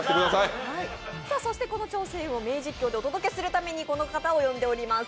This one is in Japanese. そして、この挑戦を名実況でお届けするためにこの方を呼んでいます。